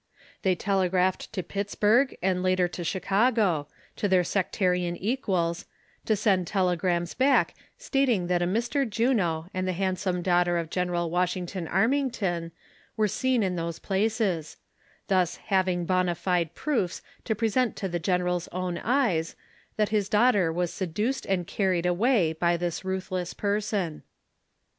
They telegraphed to Pittsburg, and later to Chicago, to their sectarian equals, to send telegrams back, stating that a Mr. Juno and the handsome daughter of General Washington Armington were seen in those places ; thus having bo7ia fide proofs to present to the general's own eyes, that his daughter was seduced and carried away by this ruthless person.